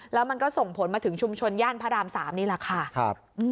แล้วมันก็ส่งผลมาถึงชุมชนย่านพระราม๓นี่แหละค่ะ